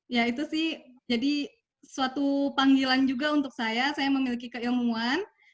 ya itu sih jadi suatu panggilan juga untuk saya saya memiliki keilmuan